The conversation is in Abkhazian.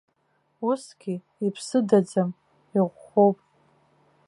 Усгьы иԥсыдаӡам, иӷәӷәоуп.